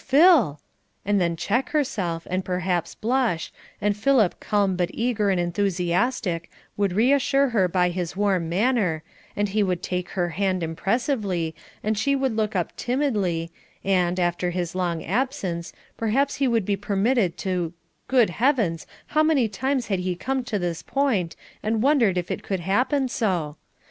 Phil," and then check herself, and perhaps blush, and Philip calm but eager and enthusiastic, would reassure her by his warm manner, and he would take her hand impressively, and she would look up timidly, and, after his long absence, perhaps he would be permitted to Good heavens, how many times he had come to this point, and wondered if it could happen so.